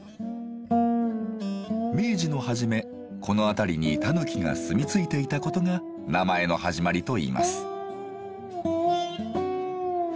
明治の初めこの辺りにタヌキが住み着いていたことが名前の始まりといいます。